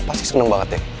pasti seneng banget ya